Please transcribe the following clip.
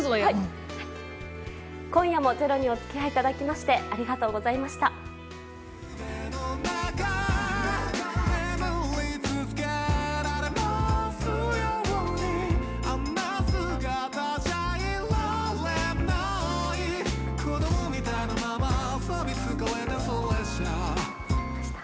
今夜も「ｚｅｒｏ」にお付き合いいただきましてありがとうございました。